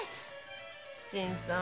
新さん。